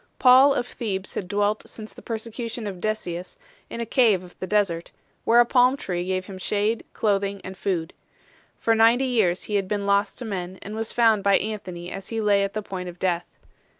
Paul 1 of Thebes had dwelt since the persecution of Decius in a cave of the desert, where a palm tree gave him shade, clothing, and food. For ninety years he had been lost to men, and was found by Anthony as he lay at the point of death.